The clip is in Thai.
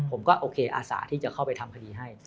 ผมก็โอเคอาสาที่จะเข้าไปทำคดีให้